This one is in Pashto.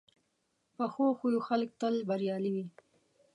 پخو خویو خلک تل بریالي وي